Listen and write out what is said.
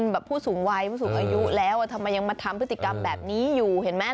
ผู้สูงวัยผู้สูงอายุแล้วทำไมยังมาทำพฤติกรรมแบบนี้อยู่เห็นไหม